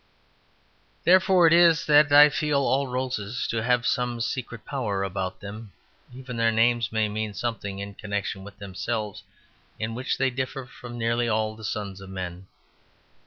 Therefore it is that I feel all roses to have some secret power about them; even their names may mean something in connexion with themselves, in which they differ from nearly all the sons of men.